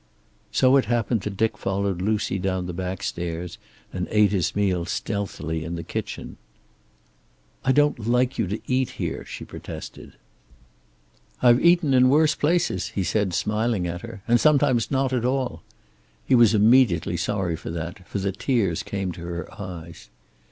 So it happened that Dick followed Lucy down the back stairs and ate his meal stealthily in the kitchen. "I don't like you to eat here," she protested. "I've eaten in worse places," he said, smiling at her. "And sometimes not at all." He was immediately sorry for that, for the tears came to her eyes.